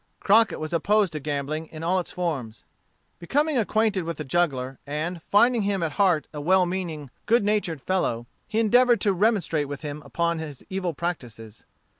Crockett was opposed to gambling in all its forms. Becoming acquainted with the juggler and, finding him at heart a well meaning, good natured fellow, he endeavored to remonstrate with him upon his evil practices.